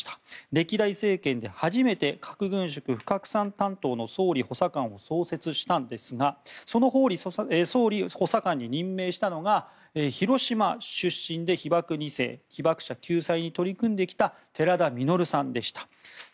歴代政権で初めて核軍縮・不拡散担当の総理補佐官を創設したんですがその総理補佐官に任命したのが広島出身で被爆２世被爆者救済に取り組んできた寺田稔さんでした。